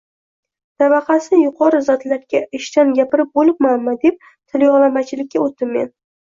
– Tabaqasi yuqori zotlarga ishdan gapirib o‘libmanmi? – deb tilyog‘lamachilikka o‘tdim men